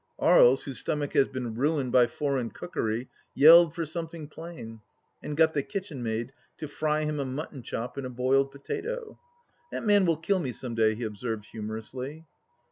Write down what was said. Aries, whose stomach has been ruined by foreign cookery, yelled for some thing plain, and got the kitchenmaid to fry him a mutton chop and a boiled potato. " That man will kill me some day," he observed humor ously.